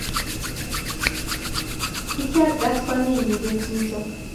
Itiagat kwaninyu pet nitok